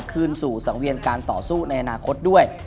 คืนสู่สังเวียนการต่อสู้ในอนาคตด้วย